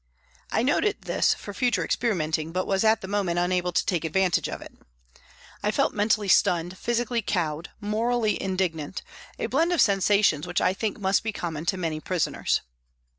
I noted this for future experi menting, but was at the moment unable to take advantage of it. I felt mentally stunned, physically cowed, morally indignant, a blend of sensations which I think must be common to many prisoners.